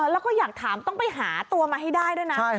แล้วก็อยากถามต้องไปหาตัวมาให้ได้ด้วยนะ